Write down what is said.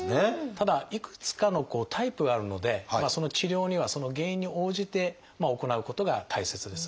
ただいくつかのタイプがあるのでその治療にはその原因に応じて行うことが大切です。